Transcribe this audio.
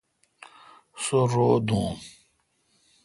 سو رو دوں۔